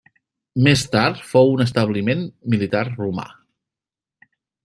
Més tard fou un establiment militar romà.